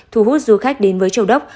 thu hút du khách đến với châu đốc